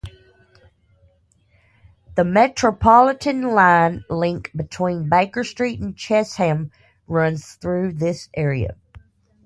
The Metropolitan line link between Baker Street and Chesham runs through this area.